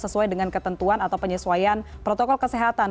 sesuai dengan ketentuan atau penyesuaian protokol kesehatan